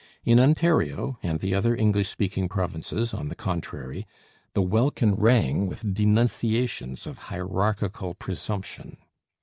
In Ontario and the other English speaking provinces, on the contrary, the welkin rang with denunciations of hierarchical presumption.